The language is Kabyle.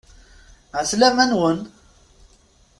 Ɛeslama-nwen!